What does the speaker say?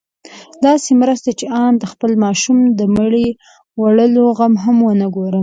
داسې مرسته چې آن د خپل ماشوم د مړي وړلو غم هم ونه ګورم.